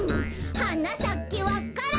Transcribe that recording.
「はなさけわか蘭」